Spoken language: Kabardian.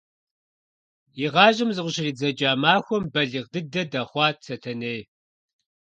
И гъащӀэм зыкъыщридзэкӀа махуэм балигъ дыдэ дэхъуат Сэтэней.